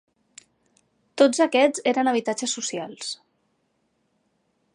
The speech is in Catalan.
Tots aquests eren habitatges socials.